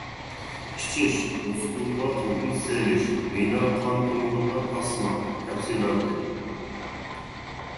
ئىچىش، مۇسكۇلغا ئوكۇل سېلىش، ۋېنا قان تومۇرىغا ئاسما. تەپسىلاتى.